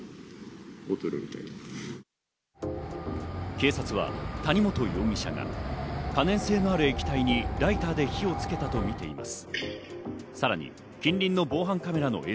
警察は谷本容疑者が可燃性のある液体にライターで火をつけたとみています。